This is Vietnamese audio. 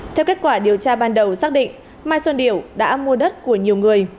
theo kết quả điều tra ban đầu xác định mai xuân điểu đã mua đất của nhiều người